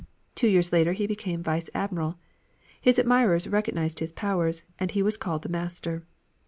Two years later he became vice admiral. His admirers recognized his powers, and he was called the master.